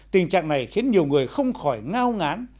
tình trạng này khiến nhiều người không khỏi ngao ngán